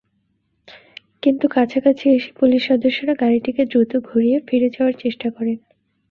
কিন্তু কাছাকাছি এসে পুলিশ সদস্যরা গাড়িটিকে দ্রুত ঘুরিয়ে ফিরে যাওয়ার চেষ্টা করেন।